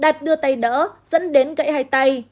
đạt đưa tay đỡ dẫn đến gãy hai tay